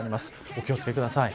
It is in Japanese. お気を付けください。